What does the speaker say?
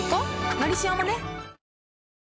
「のりしお」もね